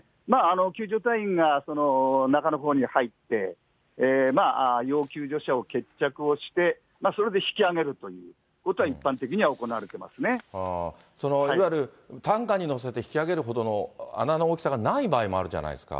救助隊員が中のほうに入って、要救助者をけっちゃくをして、それで引き上げるということは一般そのいわゆる担架に乗せて引き上げるほどの穴の大きさがない場合もあるじゃないですか。